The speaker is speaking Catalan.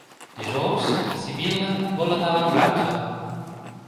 Dijous na Sibil·la vol anar a la platja.